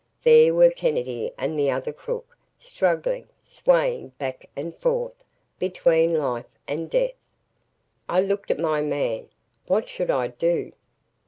There were Kennedy and the other crook, struggling, swaying back and forth, between life and death. I looked at my man. What should I do?